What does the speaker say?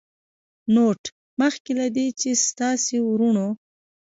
نوټ: مخکې له دې چې ستاسې وروڼو